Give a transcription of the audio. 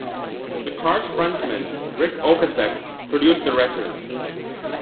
The Cars frontman Ric Ocasek produced the record.